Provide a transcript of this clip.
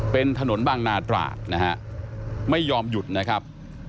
เป็นถนนบางนาตราดนะฮะไม่ยอมหยุดนะครับ